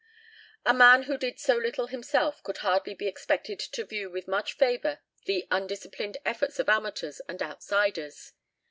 " A man who did so little himself could hardly be expected to view with much favour the undisciplined efforts of amateurs and outsiders.